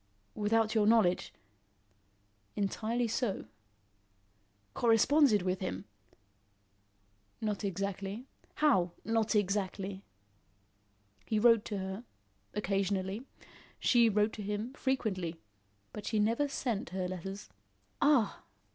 "Without your knowledge?" "Entirely so." "Corresponded with him?" "Not exactly." "How, not exactly?" "He wrote to her occasionally. She wrote to him frequently but she never sent her letters." "Ah!"